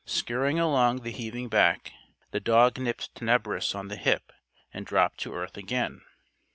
Scurrying along the heaving back, the dog nipped Tenebris on the hip, and dropped to earth again.